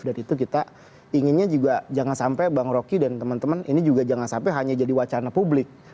dan itu kita inginnya juga jangan sampai bang roky dan teman teman ini juga jangan sampai hanya jadi wacana publik